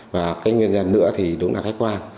và cái nguyên nhân nữa thì đúng là khách quan